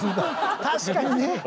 確かにね。